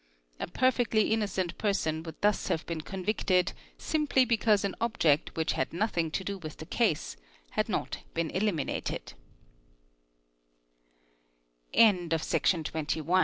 A perfectly innocent person would thus have been convicted simply because an object which had nothing to do with the case had not been eliminated@®, Section iii—The actual descriptio